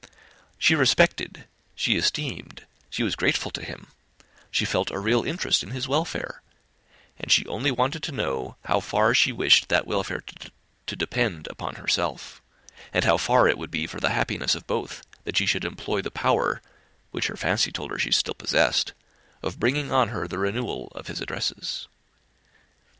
She respected, she esteemed, she was grateful to him, she felt a real interest in his welfare; and she only wanted to know how far she wished that welfare to depend upon herself, and how far it would be for the happiness of both that she should employ the power, which her fancy told her she still possessed, of bringing on the renewal of his addresses.